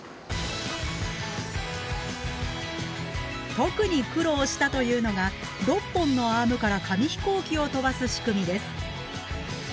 特に苦労したというのが６本のアームから紙飛行機を飛ばす仕組みです。